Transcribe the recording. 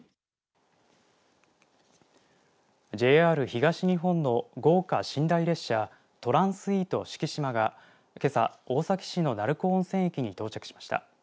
ＪＲ東日本の豪華寝台列車トランスイート四季島が、けさ大崎市の鳴子温泉駅に到着しました。